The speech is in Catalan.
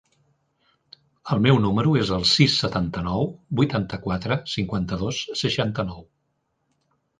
El meu número es el sis, setanta-nou, vuitanta-quatre, cinquanta-dos, seixanta-nou.